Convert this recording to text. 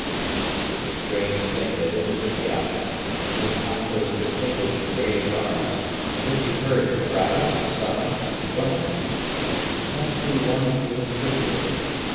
It was a strange thing that in this chaos, in which Athos distinguished raised arms, in which he heard cries, sobs, and groans, he did not see one human figure.